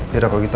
tidak pak gita